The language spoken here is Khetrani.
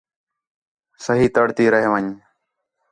صحیح تَڑ تی رَہ ون٘ڄ